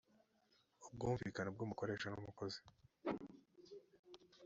ubwumvikane bw’umukoresha n’umukozi